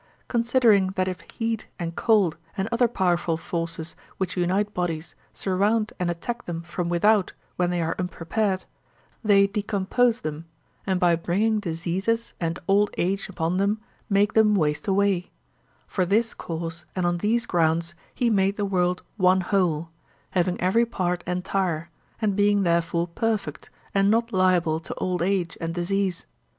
Considering that if heat and cold and other powerful forces which unite bodies surround and attack them from without when they are unprepared, they decompose them, and by bringing diseases and old age upon them, make them waste away—for this cause and on these grounds he made the world one whole, having every part entire, and being therefore perfect and not liable to old age and disease.